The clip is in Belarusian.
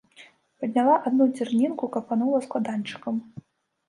Падняла адну дзярнінку, капанула складанчыкам.